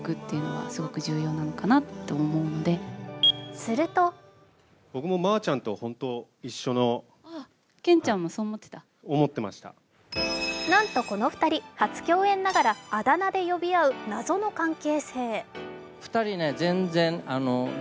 するとなんと、この２人、初共演ながらあだ名で呼び合う謎の関係。